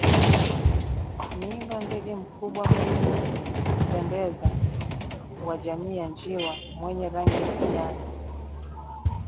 Ninga – Ndege mkubwa mwenye kupendeza wa jamii ya njiwa mwenye rangi ya kijani